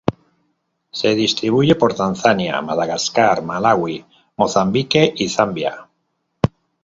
Se distribuye por Tanzania, Madagascar, Malaui, Mozambique y Zambia.